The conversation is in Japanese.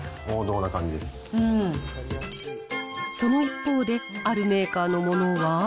その一方で、あるメーカーのものは。